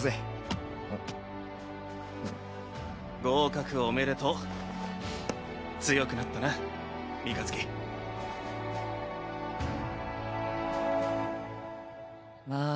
合格おめでとうふふっ強くなったな三日月まあ